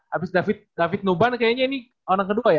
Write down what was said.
abis david nuban kayaknya ini orang kedua ya